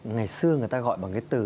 ngày xưa người ta gọi bằng cái từ